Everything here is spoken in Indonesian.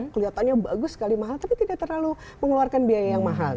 kelihatannya bagus sekali mahal tapi tidak terlalu mengeluarkan biaya yang mahal